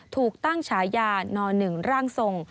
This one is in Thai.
ถูกตั้งฉายาน๑ร่างทรง